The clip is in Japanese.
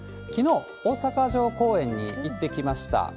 きのう、大阪城公園に行ってきました。